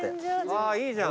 あーいいじゃん。